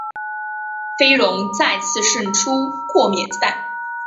飞龙再次胜出豁免赛。